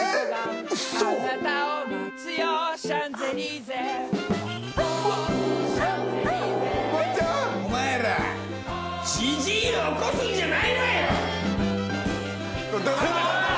松ちゃん。お前らじじいを起こすんじゃないわよ！